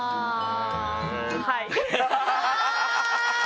はい。